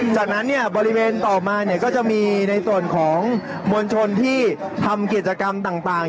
จากนั้นเนี่ยบริเวณต่อมาเนี่ยก็จะมีในส่วนของมวลชนที่ทำกิจกรรมต่าง